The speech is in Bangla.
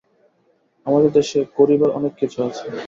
আমাদের দেশে করিবার অনেক কিছু আছে।